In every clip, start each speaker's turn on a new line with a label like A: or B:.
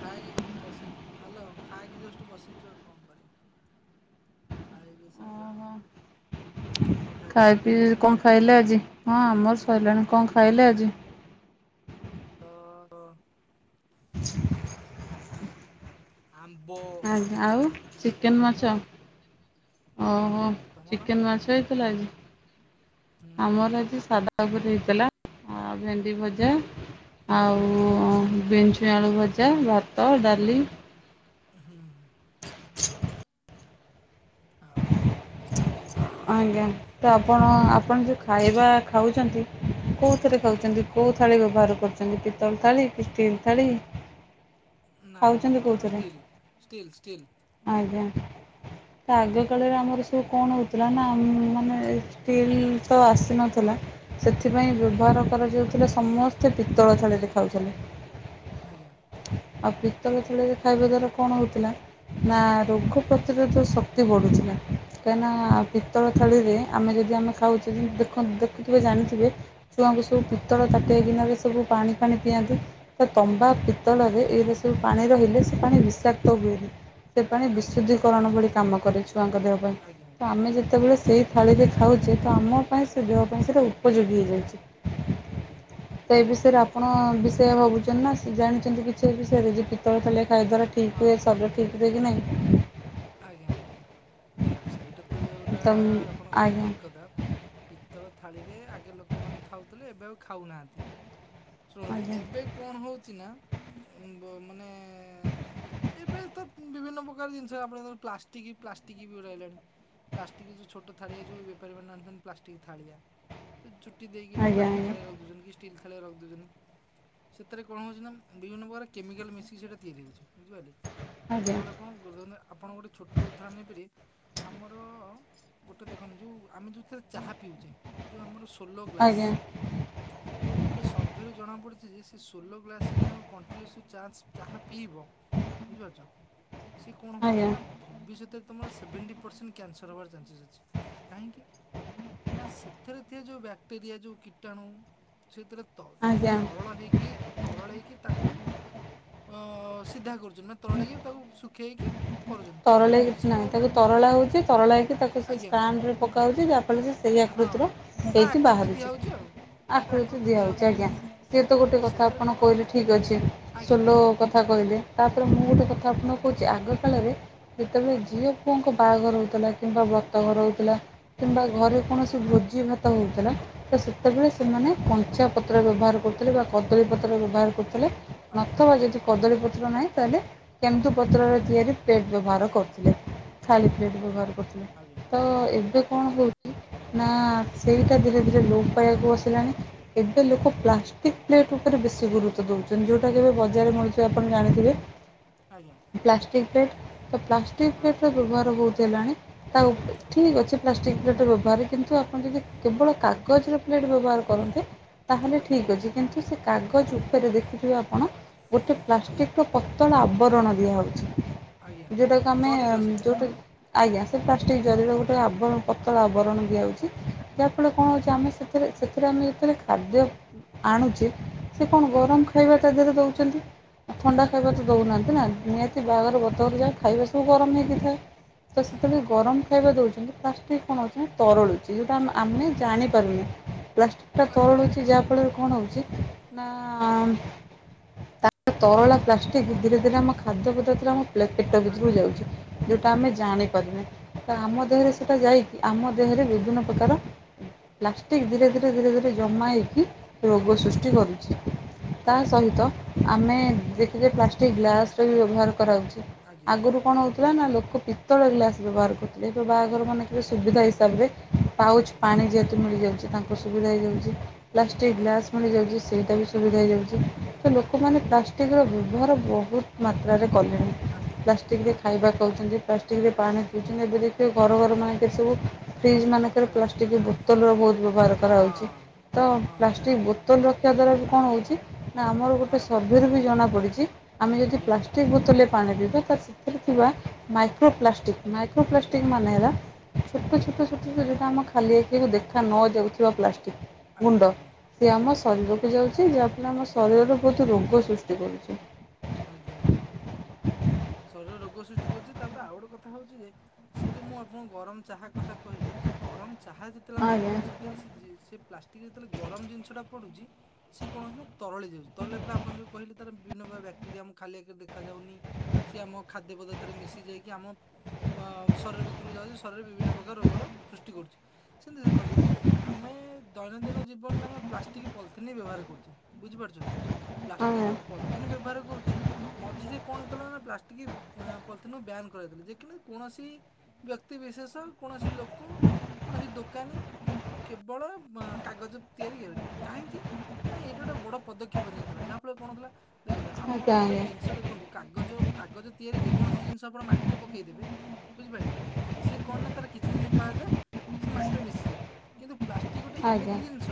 A: ଖାଇକି ବସି ହେଲୋ ଖାଇକି ଜଷ୍ଟ ବସିଛି ଆଉ କଣ କରିବି। ଖାଇ ବିି ସାଇଲୁଣୁ।
B: ଓହୋ ଖାଇ ପିଇ କଣ ଖାଇଲେ ଆଜି ହଁ ଆମର ସରିଲାଣି କଣ ଖାଇଲେ ଆଜି?
A: ଅ ଅ ଆମ୍ବ।
B: ଆଜ୍ଞା ଆଉ ଚିକେନ ମାଛ।
A: ତମର
B: ଓହୋ
A: ହୁଁ ତମର
B: ଚିକେନ୍ ମାଛ ହେଇଥିଲା ଆଜି।
A: ହୁଁ
B: ମର ଆଜି ସାଧା ଉପରେ ହେଇଥିଲା ଆ ଭେଣ୍ଡି ଭଜା ଆଉ ବିନ୍ ଛୁଇଁ ଆଳୁ ଭଜା ଭା
A: [inaudible] ହଁ ହଁ। ଏମିତି କଥା ତା
B: ଆଜ୍ଞା ତ ଆପଣ ଆପଣ ଯେଉଁ ଖାଇବା ଖାଉଛନ୍ତି କେଉଁଥିରେ
A: ଆଜ୍ଞା
B: ଖାଉଛନ୍ତି କୋଉ ଥାଳି ବ୍ୟବହାର କରୁଛନ୍ତି ପିତଳ ଥାଳି କି ଷ୍ଟିଲ ଥାଳି?
A: ନା
B: ଖାଉଛନ୍ତି
A: ମୋର
B: କୋଉଥିରେ?
A: Steel steel steel.
B: ଆଜ୍ଞା ତା ଆଗକାଳରେ ଆମର ସବୁ କଣ ଉ ଥିଲା ନା ଆମ-ମ୍-ମ୍ ମାନେ ଏଇ ଷ୍ଟିଲ ତ ଆସିନଥିଲା ସେଥିପାଇଁ
A: ଆଜ୍ଞା
B: ବ୍ୟବହାର କରାଯାଉଥିଲା ସମସ୍ତେ ପିତ୍ତଳ ଥାଳିରେ ଖାଉଥିଲେ।
A: ଆଜ୍ଞା।
B: ଆଉ ପିତଳ ଥାଳିରେ ଖାଇବା ଦ୍ଵାରା କଣ ହଉଥିଲା ନା ରୋଗ ପ୍ରତିରୋଧ ଶ ଏତେ ବଢ଼ୁଥିଲା କାହିଁକିନା-ଆ-ଆ-ଆ
A: ଆଜ୍ଞା
B: ତଳ ଥାଳିରେ ଆମେ ଯଦି ଆମେ ଖାଉଛୁ ଉ-ଉ ଦେଖୁ ଦେଖୁଥିବେ
A: ଆଜ୍ଞା
B: ଜାଣିଥିବେ ଛୁଆଙ୍କୁ ସବୁ
A: ଆଜ୍ଞା
B: ପିତଳ ତା ସେ ଦିନରେ ସବୁ ପାଣି ପାଣି ପିଅନ୍ତି ତା ତମ୍ବା
A: ଆଜ୍ଞା
B: ପିତ୍ତଳରେ ଏ ଦେ ଯେଉଁ ପାଣି ରହିଲେ ସେ ପାଣି ବିଷାକ୍ତ ହୁଏନି ସେ ପାଣି
A: ଆଜ୍ଞା
B: ବିଶୁଦ୍ଧିକରଣ ଭଳି କାମ କରେ ଛୁଆଙ୍କ ଦେହ ପାଇଁ
A: ଆଜ୍ଞା
B: ତ ଆମେ
A: ଆଜ୍ଞା ଆଜ୍ଞା
B: ଯେତେବେଳେ ସେଇ ଥାଳିରେ ଖାଉଛେ ତ ଆମ ପାଇଁ ସେ
A: ଆଜ୍ଞା ଆଜ୍ଞା
B: ଦେହ ପାଇଁ ସେଇଟା ଉ ଉପଯୋଗୀ ହେଇଯାଇଛି।
A: ଆଜ୍ଞା।
B: ତେ ଏ ବିଷୟରେ ଆପଣ-ଅ-ଅ ବିଷୟ ଭାବୁଛନ୍ତି ନା ସେ ଜାଣିଛନ୍ତି କିଛି ଏ ବିଷୟରେ ଯେ ପି ତଳ ଥାଳିରେ ଖାଇଦ୍ୱାରା ଠିକ୍
A: ହଁ
B: ହୁଏ ଶରୀର ଠିକ ହୁଏ କି ନାହିଁ?
A: ଆଜ୍ଞା ଆଜ୍ଞା ଶୁଣନ୍ତୁ ସେଇଟା ତ ଯେଉଁଟା-ଆ-ଆ-ଆଙ ଆପଣ କହିଲେ
B: ଆଜ୍ଞା
A: ଠିକ୍ କଥା। ପିତ୍ତଳ ଥାଳିରେ ଆଗେ ଲୋକମାନେ ଖାଉଥିଲେ ଏବେ ଆଉ ଖାଉନାହାନ୍ତି। ଶୁଣନ୍ତୁ
B: ଆଜ୍ଞା
A: ଏବେ କଣ ହଉଛି ନା ଉ-ଉ-ଉ ମାନେ-ଏ-ଏ ଏ-ଏ-ଏ-ଏ ଏବେ ତ ବିଭିନ୍ନ ପ୍ରକାର ଜିନିଷ ଆପଣ ଯୋଉ ପ୍ଲାଷ୍ଟିକ୍ ପ୍ଲାଷ୍ଟିକ୍ ବି ରହିଲାଣି। ପ୍ଲାଷ୍ଟିକ ଯଉଁ ଛୋଟ ଥାଳିଆ ଯୋଉ ବେପାରୀମାନେ ଆଣୁଛନ୍ତି ପ୍ଲାଷ୍ଟିକ ଥାଳିଆ। ଚୁଟି ଦେଇକିନା
B: ଆଜ୍ଞା
A: ପ୍ଲାଷ୍ଟିକ ଥାଳିଆ ରଖି ଦଉଛନ୍ତି କି ଷ୍ଟିଲ୍ ଥାଳିଆ ରଖି ଦଉଛନ୍ତି ସେଥିରେ କଣ ହେଉଛି ନା ବିଭିନ୍ନ ପ୍ରକାର କେମିକାଲ୍ ମିଶିକି ସେଇଟା ତିଆରି ହେଉଛି ବୁଝିପାରିଲେ।
B: ଆଜ୍ଞା
A: ଗାଁ ଲୋକକୁ ଧରିନିଅ ଆପଣ ଗୋଟେ ଛୋଟ ଉଦାହରଣ ନେଇପାରିବେ ଆମର-ଅ-ଅ ଗୋଟେ ଦେଖନ୍ତୁ, ଯେଉଁ ଆମେ ଯେଉଁଥିରେ ଚାହା ପିଉଛେ ଯେଉଁ ଆମର ସୁ ଠୋଲୋ
B: ଆଜ୍ଞା
A: ଗ୍ଲାସ ଗୋଟେ ସର୍ଭେରୁ ଜଣାପଡ଼ିଛି ଯେ, ସେ ସୋଲୋ ଗ୍ଲାସରେ ତୁମେ କଣ୍ଟିନ୍ୟୁସ୍ ଚାନ୍ସ ଚାହା ପିଇବ ବୁଝିପାରୁଛ, ସେ କଣ ହଉଛି
B: ଆଜ୍ଞା
A: ନା ଭବିଷ୍ୟତରେ ତୁମର ସେଭେଣ୍ଟି ପରସେଣ୍ଟ କ୍ୟାନସର ହେବାର ଚାନ୍ସେସ୍ ଅଛି, କାହିଁକି ନା ସେଥିରେ ଥିବା ଯେଉଁ ବ୍ୟାକ୍ଟେରିଆ, ଯେଉଁ କୀଟାଣୁ, ସେଥିରେ ତ ସେଇଟା
B: ଆଜ୍ଞା
A: ତରଳ ହେଇକି ତରଳେଇକି ତାକୁ ଅ-ଅ-ଅ-ଅ ସିଧା କରୁଛନ୍ତି, ନା ତରଳେଇକି ତାକୁ ଶୁଖେଇକି କରୁଛନ୍ତି
B: ତରଳେଇ
A: କିନ୍ତୁ
B: କି
A: ସିଏ କଣ
B: ନାହିଁ
A: ହେଉଛି ନା
B: ତାକୁ ତରଳା ହେଉଛି ତରଳା ହୋଇଇକି ତାକୁ ସେ
A: ଆଜ୍ଞା
B: ଷ୍ଟାଣ୍ଡରେ ପକା ହେଉଛି। ଯାହାଫଳରେ ସେ ସେ
A: ହଁ
B: ଆକୃତିର
A: ତା
B: ହେଇକି
A: ଆକୃତି
B: ବାହାରୁଛି।
A: ଦିଆହେଉଛି ଆଉ।
B: ଆକୃତି ଦିଆହେଉଛି ଆଜ୍ଞା। ସିଏ ତ ଗୋଟେ କଥା
A: ସେଥିରେ
B: ଆପଣ
A: କଣ
B: କହିଲେ ଠିକ୍ ଅଛି।
A: ଆଜ୍ଞା
B: ସୋଲୋ
A: ଆଜ୍ଞା
B: କଥା କହିଲେ। ତାପରେ ମୁଁ ଗୋଟେ
A: ଆଜ୍ଞା
B: କଥା ଆପଣଙ୍କୁ କଉଛି ଆଗକାଳରେ ଯେତେବେଳେ
A: ଆଜ୍ଞା
B: ଝିଅ ପୁଅଙ୍କ ବାହାଘର ହେଉଥିଲା କିମ୍ବା ବ୍ରତ ଘର ହେଉଥିଲା କିମ୍ବା
A: ଆଜ୍ଞା।
B: ଘରେ କୌଣସି ଭୋଜି ଭାତ ହେଉଥିଲା ତ
A: ଆଜ୍ଞା
B: ସେତେବେଳେ ସେମାନେ କଞ୍ଚା ପତ୍ର ବ୍ୟବହାରୁ କରୁଥିଲେ, କଦଳୀ ପତ୍ର ବ୍ୟବହାର କରୁଥିଲେ
A: ଆଜ୍ଞା
B: ନଥିବା ଯଦି କଦଳୀପତ୍ର ନାହିଁ, ତାହେଲେ କେନ୍ଦୁପତ୍ରରେ ତିଆରି
A: ଆଜ୍ଞା
B: ପ୍ଲେଟ୍ ବ୍ୟବହାର କରୁଥିଲେ। ଖାଲି
A: ଆଜ୍ଞା ହଁ
B: ପ୍ଲେଟ
A: ହଁ
B: ବ୍ୟବହାର କରୁଥିଲେ।
A: ଆଜ୍ଞା
B: ତ-ଅ-ଅ ଏବେ କଣ ହଉଛି ନା-ଆ-ଆ-ଆ
A: ଆଜ୍ଞା
B: ସେଇଟା ଧୀରେ ଧୀରେ ଲୋପ ପାଇବାକୁ ବସିଲାଣି ଏବେ ଲୋକ
A: ଆଜ୍ଞା
B: ପ୍ଲାଷ୍ଟିକ୍ ପ୍ଲେଟ୍ ଉପରେ ବେଶୀ ଗୁରୁତ୍ୱ ଦେଉଛନ୍ତି। ଯେଉଁଟା କେବେ ବଜାରରେ
A: ଆଜ୍ଞା
B: ମିଳୁଥିବେ ଆପଣ ଜାଣିଥିବେ?
A: ଆଜ୍ଞା।
B: ପ୍ଲାଷ୍ଟିକ୍ ପ୍ଲେଟ୍ ତ ପ୍ଲାଷ୍ଟିକ୍
A: ହଁ
B: ପ୍ଲେଟ୍ ବ୍ୟବହାର ବହୁତ ହେଲାଣି। ତା ଉପ
A: ଆଜ୍ଞା
B: ଠିକ୍ ଅଛି। ପ୍ଲାଷ୍ଟିକ୍ ପ୍ଲେଟ ବ୍ୟବହାର କିନ୍ତୁ ଆପଣ ଯଦି କେବଳ କାଗଜର ପ୍ଲେଟ୍ ବ୍ୟବହାର କରନ୍ତେ ତାହେଲେ
A: ଆଜ୍ଞା
B: ଠିକ୍ ଅଛି। କିନ୍ତୁ, ସେ କାଗଜ
A: ଆଜ୍ଞା
B: ଉପରେ ଦେଖିଥିବେ ଆପଣ ଗୋଟେ
A: ଆଜ୍ଞା
B: ପ୍ଲାଷ୍ଟିକ ର ପତଳା ଆବରଣ
A: ଆଜ୍ଞା
B: ଦିଆହେଉଛି। ଯେଉଁଟାକୁ ଆମେ
A: ଜରିର ସେଇଟା ହଁ
B: ଯେଉଁଟା ଆଜ୍ଞା ସେ ପ୍ଲାଷ୍ଟିକ ଜରିରେ
A: ହଁ
B: ଗୋଟେ ଆବଣ ପତଳା
A: ଆଜ୍ଞା
B: ଆବରଣ ଦିଆଉଛି।
A: ଆଜ୍ଞା
B: ଯାହାଫଳରେ କଣ ହେଉଛି? ଆମେ ସେଥିରେ ସେଥିରେ ଆମେ ଯେତେବେଳେ ଖାଦ୍ୟ ଆଣୁଛେ? ସେ କଣ
A: ଆଜ୍ଞା
B: ଗରମ ଖାଇବାଟା ଦେହରେ ଦେଉଛନ୍ତି। ଥଣ୍ଡା
A: ହୁଁ
B: ଖାଇବା ତ ଦେଉନାହାନ୍ତି ନା ନିହାତି
A: ହୁଁ
B: ବାହାଘର ବ- ଦର ଯା ଖାଇବା ସବୁ ଗରମ ହେଇକିଥାଏ। ତ
A: ହୁଁ ହୁଁ
B: ସେତେବେଳେ
A: ହୁଁ
B: ଗରମ ଖାଇବା ଦେଉଛନ୍ତି ପ୍ଲାଷ୍ଟିକ୍ କଣ ହେଉଛନ୍ତି
A: ହୁଁ
B: ତରଳୁଛି। ଯେଉଁଟା ଆମେ ଜାଣିପାରୁନି ପ୍ଲାଷ୍ଟିକ୍ଟା
A: ଆଜ୍ଞା
B: ତରଳୁଛି ଯାହାଫଳରେ କଣ ହଉଛି ନା। ତା ତରଳା ପ୍ଲାଷ୍ଟିକ ଠିକ ଧୀରେ ଧୀରେ ଆମ ଖାଦ୍ୟ ପଦାର୍ଥରେ ଆମ ପ୍ଲେଟ ପେଟ ଭିତରୁ
A: ଆଜ୍ଞା
B: ଯାଉଛି ଯେଉଁଟା ଆମେ
A: ଆଜ୍ଞା
B: ଜାଣିପାରୁନା। ତ ଆମ
A: ଆଜ୍ଞା
B: ଦେହରେ ସେଟା ଯାଇକି ଆମ ଦେହରେ ବିଭିନ୍ନ
A: ଆଜ୍ଞା
B: ପ୍ରକାର ପ୍ଲାଷ୍ଟିକ୍ ଧୀରେ- ଧୀରେ- ଧୀରେ -ଧୀରେ ଜମା ହେଇକି ରୋଗ
A: ଆଜ୍ଞା ଆଜ୍ଞା
B: ସୃଷ୍ଟି କରୁଛି। ତା
A: ଆଜ୍ଞା
B: ସହିତ ଆମେ
A: ଆଜ୍ଞା
B: ଯେତିକ ପ୍ଲାଷ୍ଟି- କ ସେଠ ଗ୍ଲାସ ର ବି ବ୍ୟବହାର କରାାଉଛି।
A: ଆଜ୍ଞା ଆଜ୍ଞା
B: ଆଗରୁ କଣ ହଉଥିଲା ନା ଲୋକ ପିତ୍ତଳ ଗ୍ଲାସ ବ୍ୟବହାର କରୁଥିଲେ? ସେପ
A: ଆଜ୍ଞା
B: ବାହାଘର ମାନେ କେବେ ସୁବିଧା ହିସାବରେ। ପାଉଚ
A: ଆଜ୍ଞା
B: ପାଣି ଯେହେତୁ ମିଳିଯାଉଛି ତାଙ୍କ ସୁବିଧା ହେଇଯାଉଛି। ପ୍ଲାଷ୍ଟିକ
A: ଆଜ୍ଞା ଆଜ୍ଞା ଆଜ୍ଞା ଆଜ୍ଞା ଆଜ୍ଞା ଆଜ୍ଞା
B: ଗ୍ଲାସ
A: ଆଜ୍ଞା
B: ବି ମିଳି ଯାଉଛି ସେଇଟା ସୁବିଧା ହେଇଯାଉଛି। ତ
A: ଆଜ୍ଞା
B: ଲୋକମାନେ ପ୍ଲାଷ୍ଟିକ୍ ବ୍ୟବହାର ବହୁତ ମାତ୍ରାରେ କଲେଣି।
A: ଆଜ୍ଞା।
B: ପ୍ଲାଷ୍ଟିକରେ ଖାଇବା ଖାଉଛନ୍ତି, ପ୍ଲାଷ୍ଟିକରେ ପାଣି
A: ଆଜ୍ଞା
B: ପିଉଛନ୍ତି ଏବେ ଦେଖିବ ଘର ଘର ମବୁ ଫ୍ରିଜ୍ ମାନ- ରେ
A: ଆଜ୍ଞା
B: ପ୍ଲାଷ୍ଟିକ
A: ଆଜ୍ଞା
B: ବୋତଲ ର ବହୁତ ବ୍ୟବହାର କରାହାଉଉଛି।
A: ହଁ
B: ତ
A: ହଁ
B: ପ୍ଲାଷ୍ଟିକ ବତଲ ରକ୍ଷା ଦ୍ଵାରା ବି କଣ ହେଉଛି? ନା ଆମର ଗୋଟେ
A: ହଁ
B: ସର୍ଭେରୁ ବି ଜଣାପଡ଼ିଛି, ଆମେ ଯଦି
A: ଆଜ୍ଞା
B: ପ୍ଲାଷ୍ଟି କ୍ ବୋତଲରେ ପାଣି ପିଇବା ତା ସେଥିରେ ଥିବା
A: ଆଜ୍ଞା
B: ମାଇକ୍ରୋ ପ୍ଲାଷ୍ଟିକ୍ ମାଇକ୍ରୋପ୍ଲାଷ୍ଟିକ୍ ମାନେ
A: ଆଜ୍ଞା
B: ହେଲା ଛୋଟ-
A: ଆଜ୍ଞା
B: ଛୋଟ- ଛୋଟ ଦଟା ଆମେ ଖାଲି ଆଖିବାକୁ ଦେଖା ନଯାଉଥିବା ପ୍ଲାଷ୍ଟିକ୍
A: ଆଜ୍ଞା
B: ଗୁଣ୍ଡ
A: ଆଜ୍ଞା
B: ସେ ଆମ
A: ଆଜ୍ଞା
B: ଶରୀରକୁ ଯାଉଛି ଯାହାଫଳରେ ଆମ ଶରୀରରେ
A: ଆଜ୍ଞା
B: ବହୁତ ରୋଗ ସୃଷ୍ଟି କରୁଛି।
A: ଆଜ୍ଞା ଆଜ୍ଞା।
B: ହ ହଁ [unintelligible]
A: ଶରୀର ରୋଗ ସୃଷ୍ଟି କରୁଛି ତାପରେ ଆଉ ଗୋେ କଥା ହଉଛି ଯେ ଯୋଉ ମୁଁ ଆଣ ଗରମ କଥା କହିଲି ଯେ ଗରମ ଚାହା ଯେତେବେଳେ ଆମେ
B: ଆଜ୍ଞା
A: ପିଉଛଳେ ପ ଟେ ଯେତେବେଳେ ଗରମ ଜିନିଷ ଟା ପଡୁଛି ସେ କଣସି ନା ତରଳି ଯାଉଛି ତରଳି ଫ ଆଣ ଯଉ କହେ ତାର ବିଭିନ ବକ୍ଟେରିଆ ଆ ଖାଲି ଆ ଦେଖାଯାଉନି ସିଏ ଆମ ଖାଦ୍ୟ ପଦାର୍ଥରେ ମିଶି ଯାଇକି ଆମ ଅ ଶରୀର ଭିତରକୁ ଯାଉଛି ଶରୀରରେ ବିଭିନ୍ନ ପ୍ରକାର ରୋଗର ସୃଷ୍ଟି କରୁଛି ସେମିତି ଦେଖନ୍ତୁ ଆମେ ଦୈନନ୍ଦିନ ଜୀବନରେ ଆମେ ପ୍ଲାଷ୍ଟିକ ପଲି ବ୍ୟବହାର କରୁଛେ ବୁଝିପାରୁଛନ୍ତି। ପ୍ଲାଷ୍ଟିକ
B: ଆଜ୍ଞା
A: ଯଉ ପଲିଥିନ୍ ବ୍ୟବହାର କରୁଛେ ମଝିରେ କଣ ହେଇଥିଲା ନ। ପ୍ଷ୍ଟିକ ପ ବାନ କରଥିଲେ ଯେ କି କୌଣସି ବ୍ୟକ୍ତ ବିିଶେଷ କୌଣସି ଲୋକ କୌଣସି ଦୋକାନୀ ଇ କେବଳ କାଗଜ ତିଆରି କାହିଁକି। ନାହିଁ ଏଇଟା ଗୋଟେ ବଡ଼ ପଦକ୍ଷେପ ନିଆଥିଲା ଯାହାଫଳରେ କଣ ହେଥିଲା ଦେଖନ୍ତୁ ଆପଣ
B: ଆଜ୍ଞା
A: ଗୋଟେ
B: ଆଜ୍ଞା
A: ଜିନିଷ ଦେଖନ୍ତୁ କାଗଜ। କାଗଜ ତିଆରି ଯେକୌଣସି ଜିନିଷ ଆପଣ ମାଟିରେ ପକେଇଦେବେ ବୁଝିପାରିଲେ। ସିଏ କଣ ନା ତାର କିଛି ଦିନ ପାେ ସେ ମାଟିରେ ମିଶିଯିବ। କିନ୍ତୁ ପ୍ଲାଷ୍ଟିକ ଗୋଟେ
B: ଆଜ୍ଞା
A: ଏମିତି ଜିନିଷ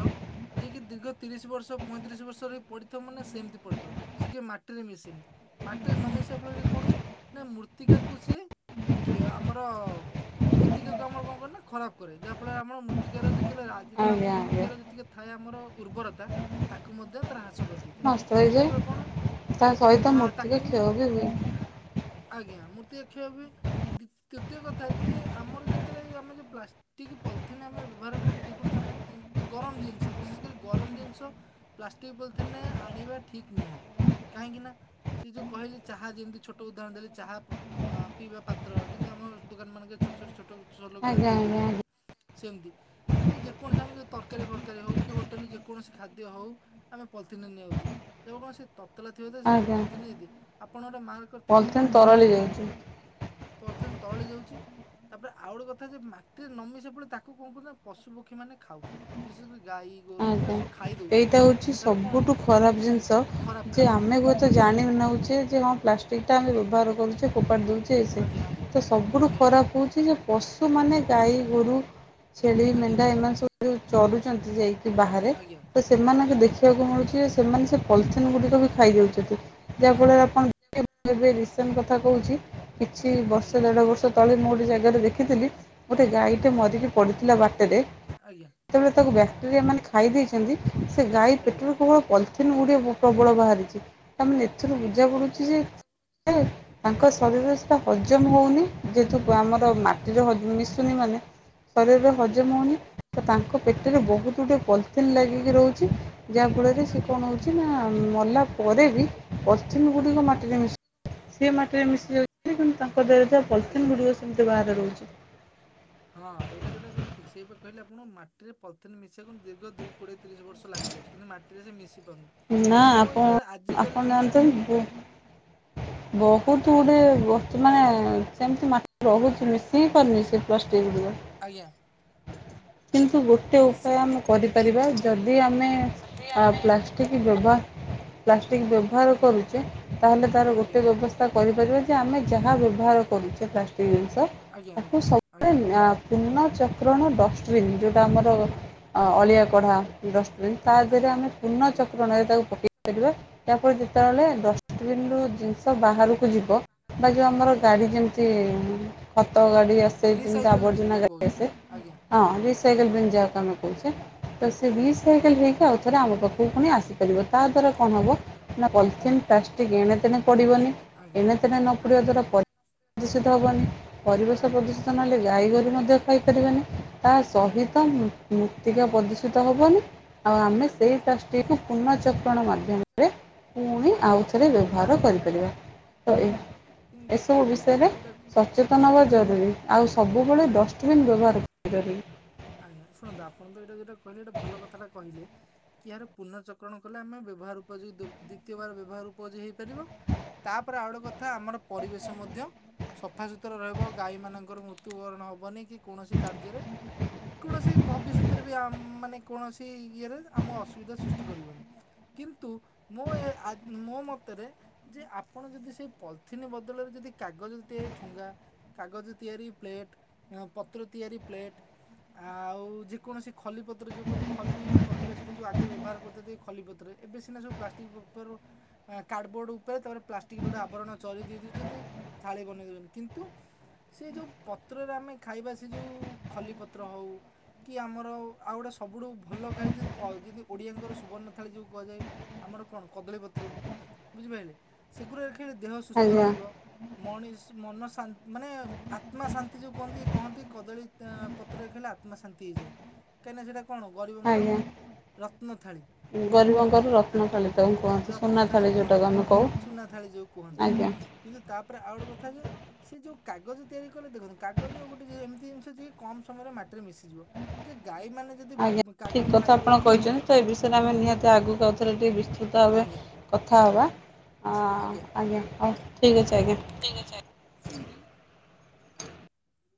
A: ଯିଏ କିି ଦୀର୍ଘ ତିରିଶ ବର୍ଷ ପଇଁତିରିଶ ବର୍ଷରେ ପଡିଥିବ ମାନେ ସେମିତି ପଡିଥିବ ସିଏ କେବେ ମାଟିରେ ମିଶେନି। ମାଟିରେ ନ ମିଶିବା ଫଳରେ କଣ ହୁଏ, ନା ମୃତ୍ତିକାକୁ ସିଏ କି ଆମର ମୃତ୍ତିକାକୁ ଆମର କଣ କରେ ନା ଖରାପ କରେ ଯାହା ଫଳରେ ଆମର ମୃ ମୃତ୍ତିକାର ଯେତେବେଳେ ଆ ଯେତେବେଳେ ଆମ
B: ଆଜ୍ଞା ଆଜ୍ଞା।
A: ମୃତ୍ତିକାର ଯେତିକି ଥାଏ ଆମର ଉର୍ବରତା ତାକୁ ମଧ୍ୟ ତାର ହ୍ରାସ କରିଦିଏ।
B: ନଷ୍ଟ
A: [inaudible]
B: ହେଇଯାଏ
A: ସେତେବେଳେ କଣ
B: ତା ସହିତ
A: ହୁଏ ଆଁ
B: ମୂର୍ତ୍ତିକା
A: ତାକୁ
B: [inaudible]
A: ଆଜ୍ଞା, ମୃତ୍ତିକା କ୍ଷୟ ହୁଏ। ଦ୍ବିତ୍ ତୃତୀୟ କଥା ହେଉଛି ଆମର ଯେତେବେଳେ ଆମେ ଯୋଉ ପ୍ଲାଷ୍ ଟିକ୍ ପଲିଥିିନ ଆମେ ବ୍ୟବହାର କରୁଛୁ ଯେକୌଣସି ଆମେ ଜିନ୍ ଗରମ ଜିନିଷ ବିଶେଷ କରି ଗରମ ଜିନିଷ ପ୍ଲାଷ୍ଟିକ ପଲିଥିନରେ ଆଣିବା ଠିକ୍ ନୁହଁ, କାହିଁକି ନା ସେ ଯୋଉ କହିଲେ ଚାହା ଯେମିତି ଛୋଟ ଉଦାହରଣ ଦେଲି ଚାହା ପିଇବା ପାତ୍ର ଯେମିତି ଆମ ଦୋକାନମାନଙ୍କରେ ଛୋଟ-ଛୋଟ-ଛୋଟ ସୋଲୋ ଗ୍ଲାସ୍
B: ଆଜ୍ଞା
A: ଦେଇ
B: ଆଜ୍ଞା
A: ଦେଉଛନ୍ତି ସେମିତି ସେମିତି ଯେକୌଣସି ଆମର ଯୋଉ ତରକାରୀ ଫରକାରୀ ହଉ କି ହୋଟେଲରେ ଯେକୌଣସି ଖାଦ୍ୟ ହଉ ଆମେ ପଲିଥିନରେ ନେଇ ଆଉଛେ ତେବେ କଣ ସେ ତତଲା ଥିବ ତ
B: ଆଜ୍ଞା
A: ସେ
B: ଆଜ୍ଞା
A: ପଲିଥିିନ ଯଦି, ଆପଣ ଗୋଟେ ମାର୍କ କରିଥିବେ
B: ପଲିଥିନ୍ ତରଳି
A: ଅଁ-ଅଁ-ଅଁ
B: ଯାଉଛି।
A: ପଲିଥିନ୍ ତରଳି ଯାଉଛି। ତାପରେ ଆଉ ଗୋଟେ କଥା ଯେ ମାଟିରେ ନ ମିଶିବା ଫଳରେ ତାକୁ କଣ କରୁଛନ୍ତି ନା ପଶୁ ପକ୍ଷୀମାନେ ଖାଉଛନ୍ତି। ବିଶେଷତଃ ଗାଈ ଗୋରୁ ଏରା
B: ଆଜ୍ଞା,
A: ସବୁ ଖାଇ ଦେଉଛନ୍ତି
B: ଏଇଟା ହଉଛି
A: ତାହେଲେ କଣ
B: ସବୁଠୁ
A: ତା
B: ଖରାପ ଜିନିଷ।
A: ଖରାପ
B: ଯେ
A: କାରଣ
B: ଆମେ ହୁଏତ
A: ଆଜ୍ଞା।
B: ଜାଣି ନଉଛେ ଯେ ହଁ ପ୍ଲାଷ୍ ପ୍ଲାଷ୍ଟିକଟା ଆମେ ବ୍ୟବହାର କରୁଛେ ଫୋପାଡ଼ି ଦେଉଛେ ଏ ସେ,
A: ଆଜ୍ଞା ଆଜ୍ଞା
B: ସେ ସବୁଠୁ
A: ଆଜ୍ଞା
B: ଖରାପ ହଉଛି ଯେ ପଶୁମାନେ ଗାଈ ଗୋରୁ ଛେଳି
A: ଆଜ୍ଞା
B: ମେଣ୍ଢା ଏମାନେ ସବୁ ଯୋଉ ଚରୁଛନ୍ତି ଯାଇ ବାହାରେ,
A: ଆଜ୍ଞା।
B: ତ ସେମାନଙ୍କୁ
A: ଆଜ୍ଞା।
B: ଦେଖିବାକୁ ମିଳୁଛି ଯେ ସେମାନେ ସେ ପଲିଥିନ୍ ଗୁଡ଼ିକ ବି ଖାଇ ଦଉଛନ୍ତି। ଯାହା ଫଳରେ
A: ଆଜ୍ଞା
B: ଆପଣ [inaudible] ମୁଁ ଏବେ ରିସେଣ୍ଟ୍ କଥା କହୁଛି କିଛି ବର୍ଷେ
A: ଆଜ୍ଞା
B: ଦେଢ ବର୍ଷ ତଳେ ମୁଁ ଗୋଟେ ଜାଗାରେ ଦେଖିଥିଲି ଗୋଟିଏ ଗାଈଟେ
A: ଆଜ୍ଞା।
B: ମରିକି ପଡ଼ିଥିଲା ବାଟରେ,
A: ଆଜ୍ଞା
B: ଯେତେବେଳେ
A: ଆଜ୍ଞା
B: ତାକୁ ବ୍ୟାକ୍ଟେରିଆ ମାନେ ଖାଇ ଦେଇଇଛନ୍ତି ସେ ଗାଈ
A: ଆଜ୍ଞା
B: ପେଟରୁ କେବଳ ପଲିଥିନ୍ ଗୁଡିଏ ପ୍ର ପ୍ରବଳ ବାହାରିଛି। ତା ମାନେ ଏଥିରୁ
A: ଆଜ୍ଞା
B: ବୁଝା ପଡ଼ୁଛି ଯେ,
A: ଆଜ୍ଞା
B: [inaudible] ତାଙ୍କ ଶରୀରରେ ସେଇଟା ହଜମ ହଉନି। ଯେହଠୁ ଆମର
A: ଆଜ୍ଞା
B: ମାଟିରେ ହ ମିଶୁନି ମାନେ ଶରୀରରେ
A: ଆଜ୍ଞା
B: ହଜମ ହଉନି ତ ତାଙ୍କ ପେଟରେ
A: ନାଇଁ
B: ବହୁତ ଗୁଡ଼ିଏ ପଲିଥିନ୍ ଲାଗିକି ରହୁଛି ଯାହାଫଳରେ ସେ
A: ଆଜ୍ଞା
B: କଣ ହଉଛି ନା ମଲା ପରେ ବି ପଲିଥିନ୍
A: ଆଜ୍ଞା
B: ଗୁଡ଼ିକ ମାଟିରେ ମିଶ୍ ସେ ମାଟିରେ
A: ଆଜ୍ଞା
B: ମିଶି ଯାଉଛି କିନ୍ତୁ ତାଙ୍କ ଦେହରେ ଥିବା ପଲିଥିନ୍
A: ଆଜ୍ଞା ଆଜ୍ଞା
B: ଗୁଡ଼ିକ ସେମିତି ବାହାରେ ରହୁଛି।
A: ହଁ ଏଇଟା ଯୋଉଟା କହିଲେ ଠିକ୍ ସେଇ ପା କହିଲି ଆପଣଙ୍କୁ ମାଟିରେ ପଲିଥିନ୍ ମିଶିବାକୁ ଦୀର୍ଘ ଦୁଇ କୋଡିଏ ତିରିଶ ବର୍ଷ ଲାଗିଯାଉଛି। କିନ୍ତୁ ମାଟିରେ ସେ ମିଶି ପାରୁନି।
B: ନା
A: ମୋ ହିସାବରେ
B: ଆପଣ
A: ଆଜିକାଲି
B: ଆପଣ ଜାଣିଛନ୍ତି [inaudible] ବହୁତ
A: ଆଜ୍ଞା
B: ଗୁଡ଼ିଏ ଜୀବ [inaudible] ମାନେ ସେମିତି ମା ରହୁଛି ମିଶି ହିଁ ପାରୁନି ସେ ପ୍ଲାଷ୍ଟିକ୍ ଗୁଡ଼ିକ।
A: ଆଜ୍ଞା।
B: କିନ୍ତୁ ଗୋଟେ
A: ମିଶି
B: ଉପାୟ
A: ତ
B: ଆମେ କରିପାରିବା, ଯଦି ଆମେ ଆ ପ୍ଲାଷ୍ଟିକ୍ ବ୍ୟବା ପ୍ଲାଷ୍ଟିକ ବ୍ୟବ୍ ବ୍ୟବହାର
A: ଆଜ୍ଞା
B: କରୁଚେ ତାହେଲେ ତାର
A: ଆଜ୍ଞା
B: ଗୋଟେ ବ୍ୟବସ୍ଥା କରିପାରିବା ଯେ ଆମେ ଯାହା ବ୍ୟବ୍ ବ୍ୟବହାର
A: ଆଜ୍ଞା
B: କରୁଛେ ପ୍ଲାଷ୍ଟିକ ଜିନିଷ,
A: ଆଜ୍ଞା ଆଜ୍ଞା
B: ତାକୁ
A: ଆଜ୍ଞା
B: ସବୁବେଳେ [inaudible] ପୁନଃ ଚକ୍ରଣ ଡଷ୍ଟବିନ୍ ଯୋଉଟା ଆମର ଅ
A: ଆଜ୍ଞା
B: ଅଳିଆ କଢ଼ା ଡଷ୍ଟବିନ୍। ତା ଦେହରେ
A: ଆଜ୍ଞା
B: ଆମେ ପୁନଃ
A: ଆଜ୍ଞା
B: ଚକ୍ରଣରେ ତାକୁ ପକେଇ ଦେଇ ପାରିବା, ତାପରେ ଯେତେବେଳେ
A: ଆଜ୍ଞା
B: ଡଷ୍ ଡଷ୍ଟବିନରୁ ଜିନିଷ ବାହାରକୁ ଯିବ ବା ଯୋଉ ଆମର
A: ଆଜ୍ଞା
B: ଗାଡି ଯେମିତି ମିତି ଖତ ଗାଡ଼ି ଆସେ ଯେମିତି
A: ରିସାଇକେଲ ବିନ୍
B: ଆବର୍ଜନା
A: ଯୋଉ
B: ଗାଡ଼ି
A: କହୁଛନ୍ତି
B: ଆସେ।
A: ଆଜ୍ଞା
B: ହଁ ରିସାଇକଲ ବିନ୍
A: ଆଜ୍ଞା
B: ଯାହାକୁ ଆମେ କହୁଛେ ତ ସେ
A: ଆଜ୍ଞା
B: ରିଶାଇ [unintelligible] ଆଉଥରେ ଆମ ପାଖକୁ ପୁଣି ଆସିପାରିବ ତା ଦ୍ୱାରା କଣ
A: ଆଜ୍ଞା
B: ହବ ନା ପଲିଥିନ୍ ପ୍ଲାଷ୍ଟିକ ଏଣେତେଣେ ପଡ଼ିବନି
A: ଆଜ୍ଞା
B: ଏଣେତେଣେ ନ ପଡ଼ିବା
A: ଆଜ୍ଞା
B: ଦ୍ଵାରା ପ ଦୂଷିତ ହବନି ପରିବେଶ
A: ଆଜ୍ଞା
B: ପ୍ରଦୂଷିତ ନହେଲେ ଗାଈ ଗୋରୁ ମଧ୍ୟ ଖାଇପାରିବେନି। ତା
A: ଆଜ୍ଞା
B: ସହିତ ମୂ ମୂର୍ତ୍ତିକା ପ୍ରଦୂଷିତ ହେବନି ଆଉ ଆମେ
A: ଆଜ୍ଞା
B: ସେଇ ପ୍ଲାଷ୍ଟିକକୁ ପୁନଃଚକ୍ରଣ ମାଧ୍ୟମ ରେ ପୁଣି ଆଉଥରେ ବ୍ୟବହାର କରିପାରିବା ତ ଏ
A: କିନ୍ତୁ
B: ଏସବୁ
A: ଦେଖନ୍ତୁ
B: ବିଷୟରେ
A: ଏଇଟା ଯୋଉଟା କ-
B: ସଚେତନ ହେବା
A: ଆଜ୍ଞା
B: ଜରୁରୀ ଆଉ ସବୁବେଳେ
A: ଆଜ୍ଞା
B: ଡଷ୍ଟବିନ୍ ବ୍ୟବହାର କରିବି
A: ଆଜ୍ଞା ଶୁଣନ୍ତୁ ଆପଣ ତ ଏଇଟା ଯଉଟା କହିଲେ ଗୋଟେ ଏଇଟା ଭଲ କଥା ଟା କହିଲେ। କି ଆର ପୁନଚକ୍ରଣ କଲେ ଆମେ ବ୍ୟବହାର ଉପଯୋଗୀ ଦି ଦିତୀୟ ବାର ବ୍ୟବହାର ଉପୋଯୋଗୀ ହେଇପାରିବ। ତାପରେ ଆଉ ଗୋଟେ କଥା ଆମର ପରିବେଶ ମଧ୍ୟ ସଫାସୁତୁର ରହିବ ଗାଈମାନଙ୍କର ମୃତ୍ୟୁବରଣ ହବନି କି କୌଣସି କାର୍ଯ୍ୟରେ କୌଣସି ଭବିଷ୍ୟତରେ ବି ଆ ମାନେ କୌଣସି ଇଏରେ ଆମ ଅସୁବିଧା ସୃଷ୍ଟି କରିବନି। କିନ୍ତୁ ମୋ ଏ ଆ ମୋ ମତରେ ଯେ ଆପଣ ଯଦି ସେଇ ପଲିଥିନ୍ ବଦଳରେ ଯଦି କାଗଜ ରେ ତିଆରି ଠୁଙ୍ଗା କାଗଜ ତିଆରି ପ୍ଲେଟ୍ ପତ୍ର ତିଆରି ପ୍ଲେଟ୍। ଆଉ ଯେକୌଣସି ଖଲିପତ୍ର ଯୋଉ କହନ୍ତି ଖଲି ପତ୍ର ସେଇଟା ଯୋଉ ଆଗେ ବ୍ୟବହାର କରଥୁଲେ ଖଲିପତ୍ରେ। ଏବେସିନା ସବୁ ପ୍ଲାଷ୍ଟିକ ପେପରରୁ କାର୍ଡ଼ବୋର୍ଡ଼ ଉପରେ ତାପରେ ପ୍ଲାଷ୍ଟିକ୍ ର ଗୋଟେ ଆବରଣ ଚରି ଦେଉଛନ୍ତି ଥାଳି ବନେଇ ଦେଉଛନ୍ତି କିନ୍ତୁ? ସେ ଯୋଉ ପତ୍ରରେ ଆମେ ଖାଇବା ସେ ଯଉ ଖଲି ପତ୍ର ହଉ କି ଆମର ଅ ଆଉ ଗୋଟେ ସବୁଠୁ ଭଲ ଖାଏ ଯଦି କ ଯଦି ଓଡ଼ିଆଙ୍କର ସୁବର୍ଣ୍ଣ ଥାଳି ଯୋଉ କୁହାଯାଏ। ଆମର କଣ କଦଳୀପତ୍ରକୁ ବୁଝିପାଇଲେ ସେଗୁରାରେ ଖାଇଲେ ଦେହ ସୁସ୍ଥ
B: ଆଜ୍ଞା
A: ରହିବ। ମଣିଷ ମନ ଶା ମାନେ ଆତ୍ମା ଶାନ୍ତି ଯୋଉ କୁହନ୍ତି କହନ୍ତି କଦଳୀ ତ ପତ୍ର ରେ ଖାଇଲେ ଆତ୍ମା ଶାନ୍ତି ହେଇଯାଏ କାହିଁକିନା ସେଇଟା କଣ ଗରିବଙ୍କର
B: ଆଜ୍ଞା
A: ରତ୍ନ ଥାଳି। କୁହନ୍ତି
B: ଗରିବଙ୍କର
A: ତା
B: ରତ୍ନ ଥାଳି ତାକୁ କୁହନ୍ତି
A: ରତ୍ନ
B: ସୁନା
A: ଥାଳି
B: ଯେଉଁଟାକୁ
A: କୁହନ୍ତି
B: ଆମେ କହୁ
A: ସୁନା ଥାଳି ଯୋଉ କୁହନ୍ତି।
B: ଆଜ୍ଞା
A: କିନ୍ତୁ ତାପରେ ଆଉ ଗୋଟେ କଥା ଯେ ସେ ଯୋଉ କାଗଜ ତିଆରି କଲେ ଦେଖନ୍ତୁ କାଗଜ ଗୋଟେ ଯେ ଏମିତି ଜିନିଷ ଯେ କମ ସମୟରେ ମାଟିରେ ମିଶିଯିବ ଯେ ଗାଈମାନେ ଯଦି ଭ
B: ଆଜ୍ଞା ଠିକ୍
A: କାଗଜ
B: କଥା
A: ଖାଇବେ
B: ଆପଣ କହିଛନ୍ତି, ତ ଏ ବିଷୟରେ ଆମେ ନିହାତି ଆଗକୁ ଆଉଥରେ ଟିକେ ବିସ୍ତୃତ ଭାବେ
A: ଆଜ୍ଞା
B: କଥା ହବା ଆ ଆଜ୍ଞା ହଉ ଠିକ୍ ଅଛି ଆଜ୍ଞା।
A: ଆଜ୍ଞା।